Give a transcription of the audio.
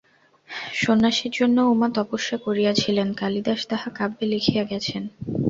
সন্ন্যাসীর জন্য উমা তপস্যা করিয়াছিলেন, কালিদাস তাহা কাব্যে লিখিয়া গেছেন।